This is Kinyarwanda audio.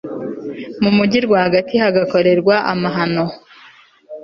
mu mugi rwagati hagakorerwa amahano